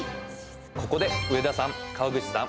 ここで上田さん、川口さん